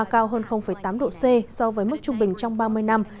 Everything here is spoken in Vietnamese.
cao hơn tám độ c so với mức trung bình trong ba mươi năm